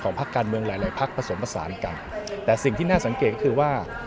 ของภักษ์การเมืองหลายภักรณ์ผสมดัสานกันแต่สิ่งที่น่าสังเกตคือว่า